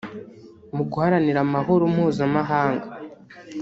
Mu guharanira amahoro mpuzamhanga